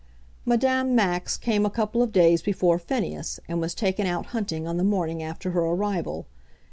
Madame Max came a couple of days before Phineas, and was taken out hunting on the morning after her arrival.